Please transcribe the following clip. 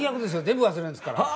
全部忘れんですから。